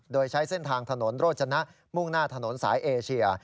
โดยใช้เส้นทางถนนโรจนะมุ่งหน้าถนนสายเอเชีย